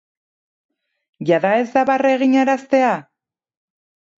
Jada ez da barre eginaraztea?